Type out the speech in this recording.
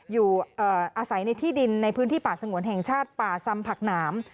อยู่อาศัยในที่ดินในพื้นที่ป่าสงวนแห่งชาติป่าซำผักหนาม